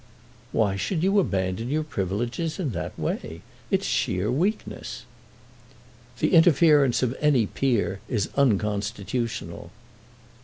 "Why should you abandon your privileges in that way? It is sheer weakness." "The interference of any peer is unconstitutional."